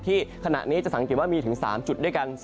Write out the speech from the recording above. ขณะนี้จะสังเกตว่ามีถึง๓จุดด้วยกัน